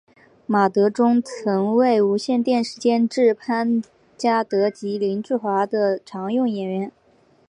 马德钟曾为无线电视监制潘嘉德及林志华的常用演员。